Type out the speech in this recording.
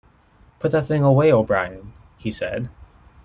"Put that thing away, O'Brien," he said.